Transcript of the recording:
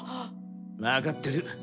わかってる。